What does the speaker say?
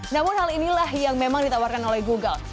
namun hal inilah yang memang ditawarkan oleh google